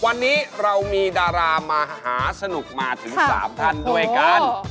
วันนี้เรามีดารามหาสนุกมาถึง๓ท่านด้วยกัน